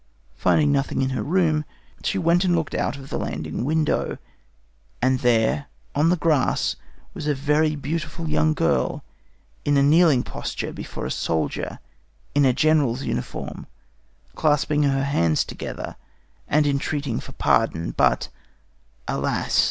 Finding nothing in her room, she went and looked out of the landing window, "and there, on the grass, was a very beautiful young girl in a kneeling posture before a soldier, in a General's uniform, clasping her hands together and entreating for pardon; but, alas!